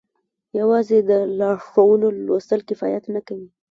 يوازې د لارښوونو لوستل کفايت نه کوي.